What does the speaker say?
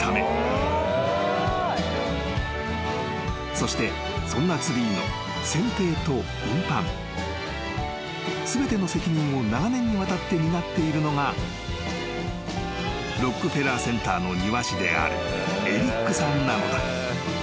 ［そしてそんなツリーの選定と運搬全ての責任を長年にわたって担っているのがロックフェラーセンターの庭師であるエリックさんなのだ］